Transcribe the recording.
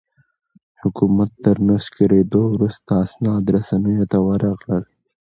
حکومت تر نسکورېدو وروسته اسناد رسنیو ته ورغلل.